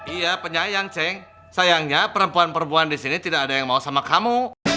iya penyayang ceng sayangnya perempuan perempuan di sini tidak ada yang mau sama kamu